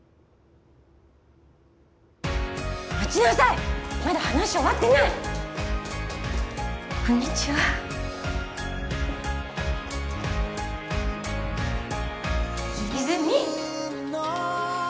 待ちなさいまだ話終わってないこんにちはー泉！